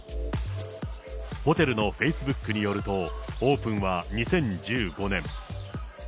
ホテルのフェイスブックによると、オープンは２０１５年。